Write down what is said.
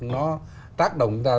nó tác động ra